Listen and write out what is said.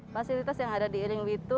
fasilitas yang ada di iring witu